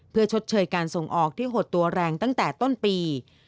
เพื่อชดเชยการส่งออกที่หดตัวแรงตั้งแต่ต้นปี